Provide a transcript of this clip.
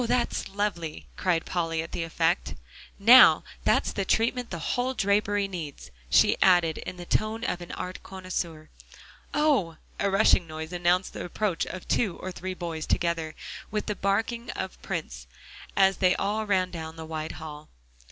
that's lovely," cried Polly, at the effect. "Now, that's the treatment the whole drapery needs," she added in the tone of an art connoisseur. "Oh!" A rushing noise announced the approach of two or three boys, together with the barking of Prince, as they all ran down the wide hall.